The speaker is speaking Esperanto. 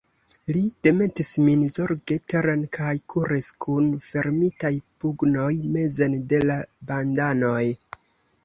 Li demetis min zorge teren kaj kuris, kun fermitaj pugnoj, mezen de la bandanoj.